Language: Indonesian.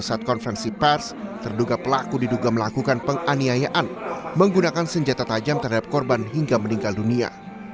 saat konferensi pers terduga pelaku diduga melakukan penganiayaan menggunakan senjata tajam terhadap korban hingga meninggal dunia